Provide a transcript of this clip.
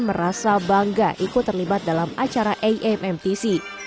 merasa bangga ikut terlibat dalam acara ammtc